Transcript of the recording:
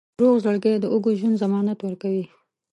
روغ زړګی د اوږد ژوند ضمانت ورکوي.